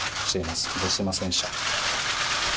すみませんでした。